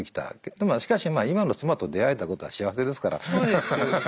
でもしかし今の妻と出会えたことは幸せですから。